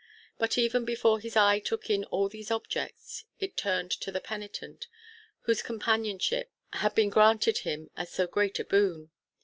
But even before his eye took in all these objects, it turned to the penitent, whose companionship had been granted him as so great a boon.